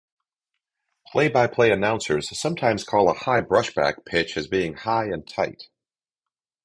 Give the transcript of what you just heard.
Play-by-play announcers sometimes call a high brushback pitch as being high and tight.